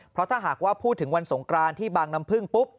เพราะถ้าหากว่าพูดถึงวันสงกรานที่บางน้ำพึ่งปุ๊บ